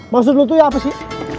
maksud lu itu ya apa sih